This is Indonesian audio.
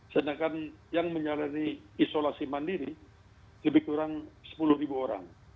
sedangkan yang menjalani isolasi mandiri lebih kurang sepuluh orang